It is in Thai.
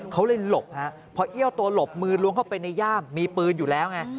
เขาเลยหลบฮะพอเอี้ยวตัวหลบมือล้วงเข้าไปในย่ามมีปืนอยู่แล้วไง